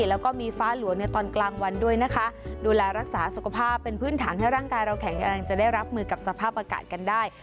แล้วก็มีฟ้าหลวงในตอนกลางวันด้วยนะคะดูแลรักษาสุขภาพเป็นพื้นฐานให้ร่างกายเราแข็งแรงจะได้รับมือกับสภาพอากาศกันได้